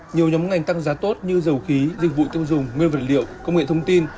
nhiều nhóm ngành tăng giá tốt như dầu khí dịch vụ tiêu dùng nguyên vật liệu công nghệ thông tin